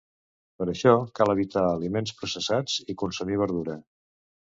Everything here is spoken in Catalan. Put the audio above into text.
Per això cal evitar aliments processats i consumir verdura.